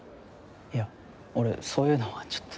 いや俺そういうのはちょっと。